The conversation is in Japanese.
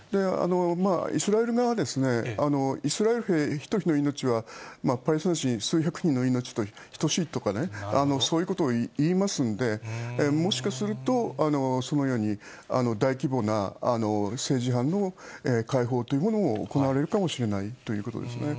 イスラエル側は、イスラエル兵１人の命は、パレスチナ人数百人の命と等しいとかね、そういうことをいいますんで、もしかすると、そのように、大規模な政治犯の解放というものも行われるかもしれないということですね。